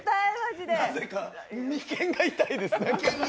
眉間が痛いです